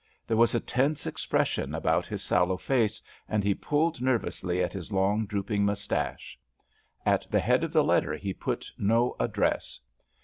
There was a tense expression upon his sallow face, and he pulled nervously at his long, drooping moustache. At the head of the letter he put no address.